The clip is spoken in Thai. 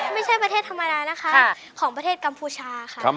ไม่ใช่ประเทศธรรมดานะคะของประเทศกัมพูชาค่ะ